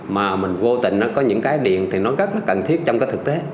mình vô tình nó có những cái điền thì nó rất là cần thiết trong cái thực tế